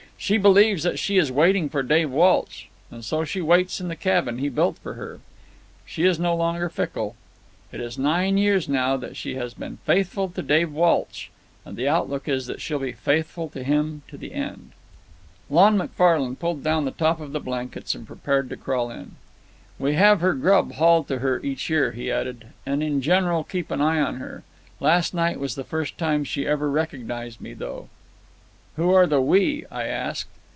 She believes that she is waiting for Dave Walsh, and so she waits in the cabin he built for her. She is no longer fickle. It is nine years now that she has been faithful to Dave Walsh, and the outlook is that she'll be faithful to him to the end." Lon McFane pulled down the top of the blankets and prepared to crawl in. "We have her grub hauled to her each year," he added, "and in general keep an eye on her. Last night was the first time she ever recognized me, though." "Who are the we?" I asked.